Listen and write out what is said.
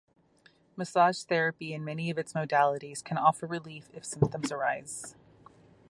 Massage therapy, and many of its modalities, can offer relief if symptoms arise.